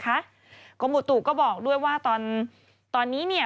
เพราะบุตุก็บอกด้วยว่าตอนนี้เนี่ย